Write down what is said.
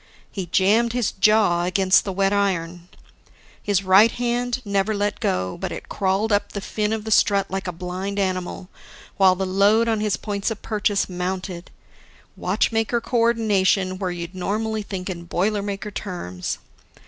He jammed his jaw against the wet iron. His right hand never let go, but it crawled up the fin of the strut like a blind animal, while the load on his points of purchase mounted watchmaker co ordination where you'd normally think in boilermaker terms.